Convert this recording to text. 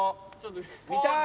見たい。